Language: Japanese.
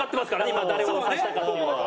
今誰を押したかっていうのは。